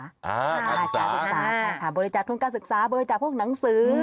บริจาคุณการศึกษาบริจาคุณการศึกษาบริจาคุณพวกหนังสือ